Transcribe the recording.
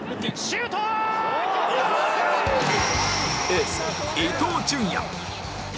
エース伊東純也